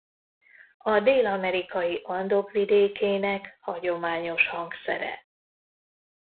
A dél-amerikai Andok vidékének hagyományos hangszere.